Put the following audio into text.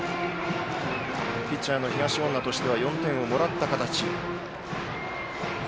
ピッチャーの東恩納としては４点をもらった形。